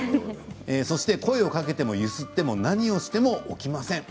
そして声をかけても揺すっても何をしても起きません。